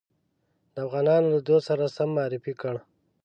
د افغانانو له دود سره سم معرفي کړ.